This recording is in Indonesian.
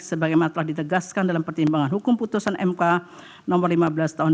sebagaimana telah ditegaskan dalam pertimbangan hukum putusan mk nomor lima belas tahun dua ribu